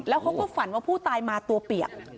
แล้วเขาก็ฝันว่าผู้ตายมาตัวเปียก